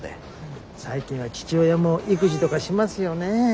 最近は父親も育児とかしますよね。